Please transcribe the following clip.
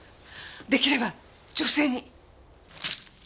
出来れば女性に。